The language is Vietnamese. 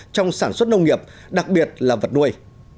trong sản xuất nông nghiệp đặc biệt là vật nuôi